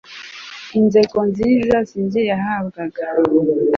inzeko nziza si jye yahabwaga